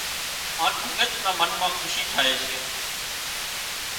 هانَ ڀڳت نا منَ مان کُشي ٿائي سي